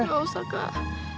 nggak usah kak